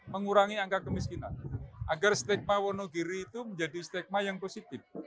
mengurangi angka kemiskinan agar stigma wonogiri itu menjadi stigma yang positif